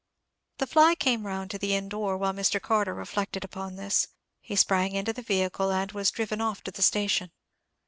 The fly came round to the inn door while Mr. Carter reflected upon this. He sprang into the vehicle, and was driven off to the station.